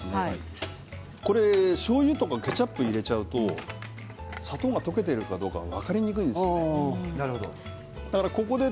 しょうゆとかケチャップを入れてしまうと砂糖が溶けているかどうか分かりにくくなってしまうんです。